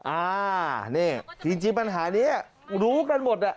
อ่านี่จริงปัญหานี้รู้กันหมดอ่ะ